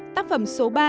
tác phẩm số ba